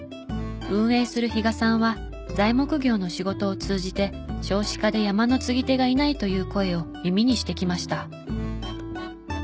運営する比賀さんは材木業の仕事を通じて少子化で山の継ぎ手がいないという声を耳にしてきました。